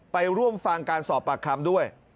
ไปร่วมฟังการสอบปากคำด้วย